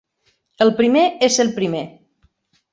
El primer és el primer.